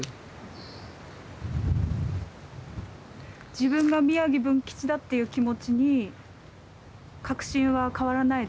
自分が宮城文吉だっていう気持ちに確信は変わらないですか？